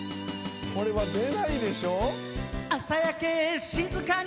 これは出ないでしょ？